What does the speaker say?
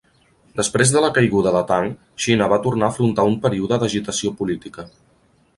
Després de la caiguda de Tang, Xina va tornar a afrontar un període d'agitació política.